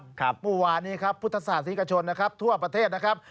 ใช่ครับมุมวานนี้ครับพุทธศาสตร์สินคชลนะครับทั่วประเทศนะครับ